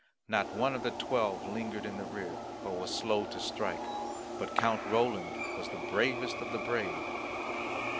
Not one of the Twelve lingered in the rear, or was slow to strike, but Count Roland was the bravest of the brave.